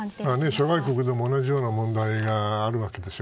諸外国でも同じような問題があるわけです。